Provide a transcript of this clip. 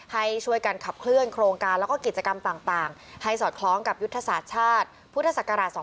ให้ช่วยกันขับเคลื่อนโครงการแล้วก็กิจกรรมต่างให้สอดคล้องกับยุทธศาสตร์ชาติพุทธศักราช๒๕๖